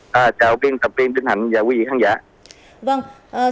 xin chào quý vị khán giả